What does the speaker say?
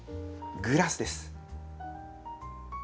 グラスです。